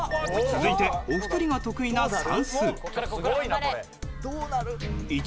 続いてお二人が得意な算数。